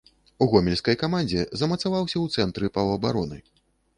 У гомельскай камандзе замацаваўся ў цэнтры паўабароны.